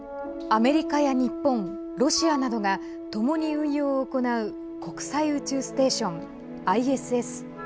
アメリカや日本ロシアなどが共に運用を行う国際宇宙ステーション、ＩＳＳ。